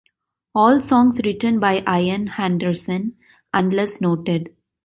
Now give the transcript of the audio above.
All songs written by Ian Anderson unless noted.